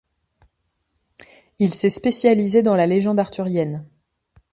Il s'est spécialisé dans la légende arthurienne.